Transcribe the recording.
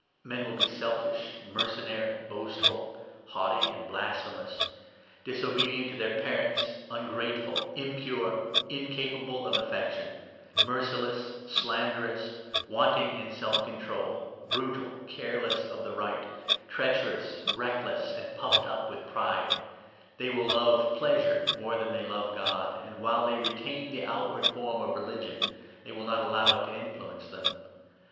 Men will be selfish, mercenary, 2 boastful, haughty, and blasphemous ; disobedient to their parents, ungrateful, impure, incapable of affection, 3 merciless, slanderous, wanting in self control, brutal, careless of the right, treacherous, reckless, and puffed up with pride ; 4 they will love pleasure more than they love God ; and while 5 they retain the outward form of religion, they will not allow it to influence them.